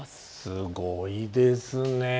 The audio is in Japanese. すごいですねえ。